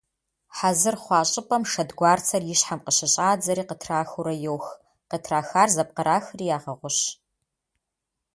Хьэзыр хъуа щӀыпӀэм шэдгуарцэр и щхьэм къыщыщӏадзэри къытрахыурэ йох, къытрахар зэпкърахри ягъэгъущ.